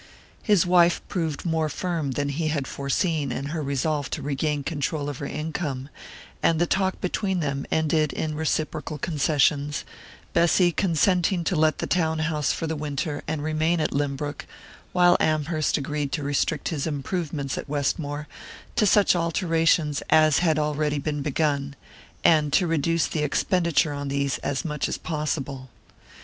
His wife proved more firm than he had foreseen in her resolve to regain control of her income, and the talk between them ended in reciprocal concessions, Bessy consenting to let the town house for the winter and remain at Lynbrook, while Amherst agreed to restrict his improvements at Westmore to such alterations as had already been begun, and to reduce the expenditure on these as much as possible.